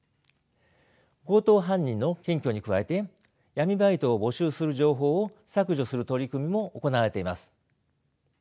強盗犯人の検挙に加えて闇バイトを募集する情報を削除する取り組みも行われています。